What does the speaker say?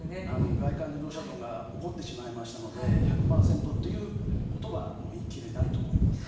外環自動車道が起こってしまいましたので１００％ということはもう言い切れないと思います。